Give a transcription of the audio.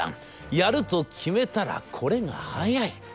やると決めたらこれが早い。